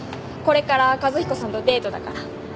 これから和彦さんとデートだから。